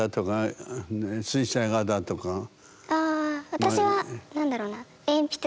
私は何だろうな。